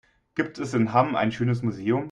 Gibt es in Hamm ein schönes Museum?